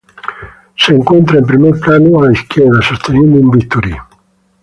Él se encuentra en primer plano a la izquierda, sosteniendo un bisturí.